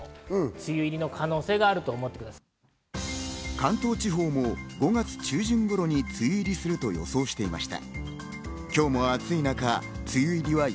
関東地方も５月中旬頃に梅雨入りすると予想していました。